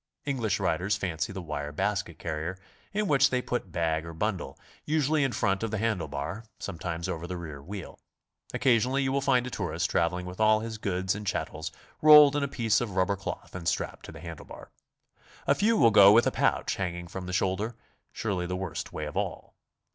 English riders fancy the wire basket carrier, in which they put bag or bundle, usually in front of the handle bar, sometimes over the rear wheel. Occasionally you will find a tourist traveling with all his goods and chattels rolled in a piece of rubber cloth and strapped to the handle bar. A few will go with a pouch hanging from the shoulder, surely the worst way of all.